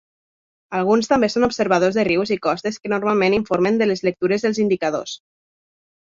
Alguns també són observadors de rius i costes que normalment informen de les lectures dels indicadors.